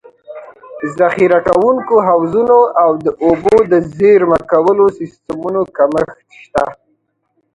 ذخیره کوونکو حوضونو او د اوبو د زېرمه کولو سیستمونو کمښت شته.